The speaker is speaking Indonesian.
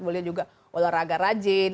boleh juga olahraga rajin